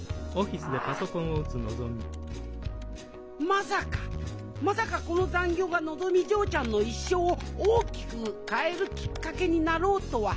まさかまさかこの残業がのぞみ嬢ちゃんの一生を大きく変えるきっかけになろうとは。